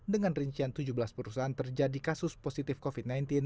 dengan rincian tujuh belas perusahaan terjadi kasus positif covid sembilan belas